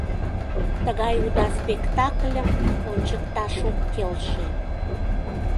Тыгай уда спектакльым ончыкташ ок келше.